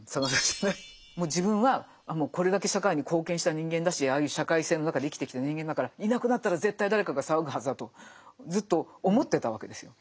もう自分はこれだけ社会に貢献した人間だしああいう社会性の中で生きてきた人間だからいなくなったら絶対誰かが騒ぐはずだとずっと思ってたわけですよ。